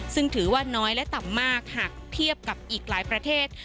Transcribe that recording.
ซึ่งถือว่าน้อยและต่ำมากหากเทียบกับอีกหลายประเทศ